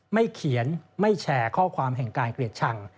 ไม่เขียนไม่แชร์ข้อความแห่งการเกลียดชัง